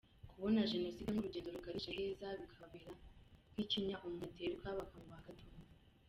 Kubona Jenoside nk’urugendo ruganisha heza bikababera nk’ikinya umuntu aterwa bakamubaga atumva.